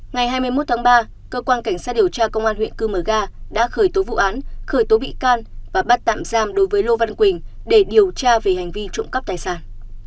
ngày hai mươi một tháng ba cơ quan cảnh sát điều tra công an huyện cư mờ ga đã khởi tố vụ án khởi tố bị can và bắt tạm giam đối với lô văn quỳnh để điều tra về hành vi trộm cắp tài sản